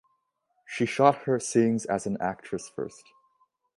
She shot her scenes as an actress first.